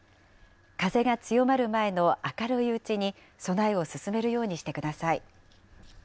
風が強まる前の明るいうちに備えを進めるようにしてください。